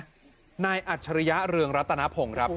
หน้าอัจฉริยเรืองรัตนภง